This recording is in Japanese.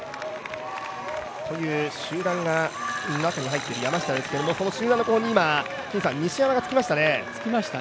という集団の中に入っている山下ですけれども、集団の後方に今、西山がつきましたね。